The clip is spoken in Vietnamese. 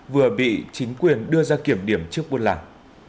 vừa bị chính quyền đưa ra kiểm điểm trước buôn làng